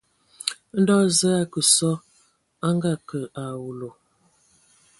Ndo Zəə a akə sɔ a a ngakǝ a awulu.